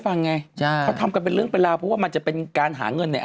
ฟังไงเขาทำกันเป็นเรื่องเพลาเพราะว่ามันจะเป็นการหาเงินใน